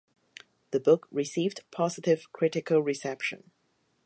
The book received positive critical reception.